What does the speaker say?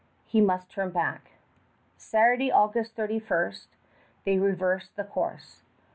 He must turn back. Saturday, August 31, they reversed the course.